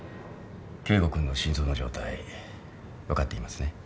圭吾君の心臓の状態分かっていますね？